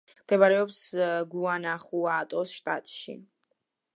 მდებარეობს გუანახუატოს შტატში.